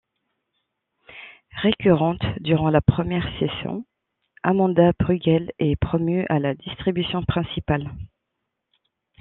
Récurrente durant la première saison, Amanda Brugel est promue à la distribution principale.